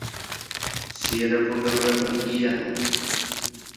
Sierra প্রোগ্রামের ব্যাপারে কী জানো?